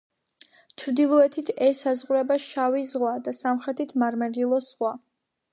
ჩრდილოეთით ესაზღვრება შავი ზღვა და სამხრეთით მარმარილოს ზღვა.